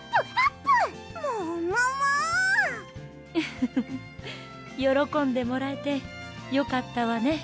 フフフッよろこんでもらえてよかったわね